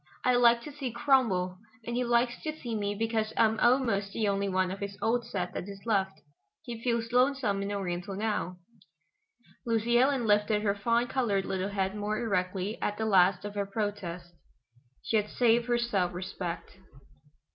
I like to see Cromwell, and he likes to see me because I'm almost the only one of his old set that is left. He feels lonesome in Oriental now." Lucy Ellen lifted her fawn colored little head more erectly at the last of her protest. She had saved her self respect.